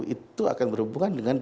itu akan berhubungan dengan